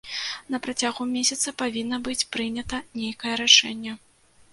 На працягу месяца павінна быць прынята нейкае рашэнне.